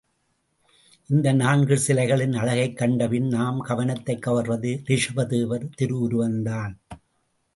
இந்த நான்கு சிலைகளின் அழகைக் கண்டபின் நம் கவனத்தைக் கவர்வது, ரிஷப தேவர் திருவுருவம்தான்.